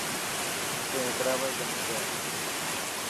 اسين حيدرآباد جائو پيا.